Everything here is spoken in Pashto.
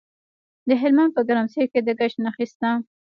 د هلمند په ګرمسیر کې د ګچ نښې شته.